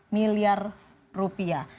delapan belas miliar rupiah